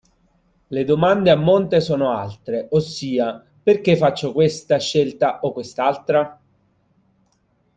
Le domande a monte sono altre, ossia, perché faccio questa scelta o quest'altra?